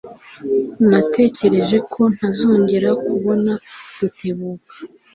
Natekereje ko ntazongera kubona Rutebuka.